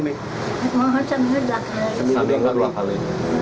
maksudnya selama dua kali